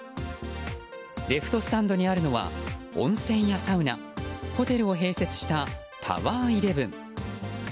レフトスタンドにあるのは温泉やサウナホテルを併設したタワーイレブン。